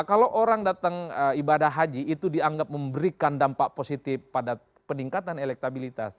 kalau orang datang ibadah haji itu dianggap memberikan dampak positif pada peningkatan elektabilitas